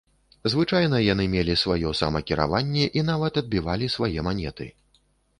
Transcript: Звычайна, яны мелі сваё самакіраванне і нават адбівалі свае манеты.